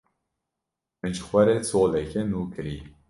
Min ji xwe re soleke nû kirî.